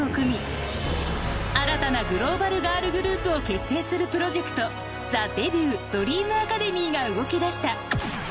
新たなグローバルガールグループを結成するプロジェクト『ＴｈｅＤｅｂｕｔ：ＤｒｅａｍＡｃａｄｅｍｙ』が動き出した。